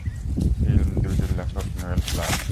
Film দুটির লেখক Noel clerk.